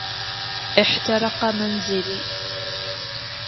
احترقَ منزلي.